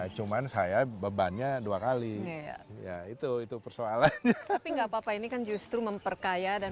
cuman saya bebannya dua kali ya itu itu persoalan tapi enggak apa apa ini kan justru memperkaya dan